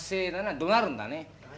どなるんだね。